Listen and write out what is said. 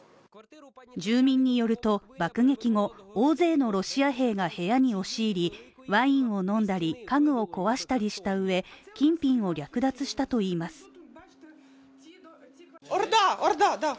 住民によると爆撃後、大勢のロシア兵が部屋に押し入りワインを飲んだり、家具を壊したりしたうえ金品を略奪したといいます。